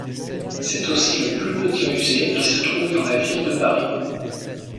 C'est aussi le plus petit musée qui se trouve dans la ville de Paris.